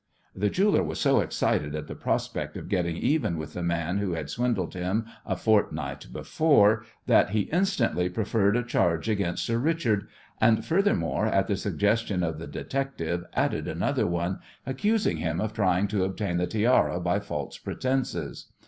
The jeweller was so excited at the prospect of getting even with the man who had swindled him a fortnight before that he instantly preferred a charge against "Sir Richard," and, furthermore, at the suggestion of the "detective" added another one, accusing him of trying to obtain the tiara by false pretences.